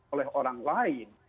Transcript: oleh orang lain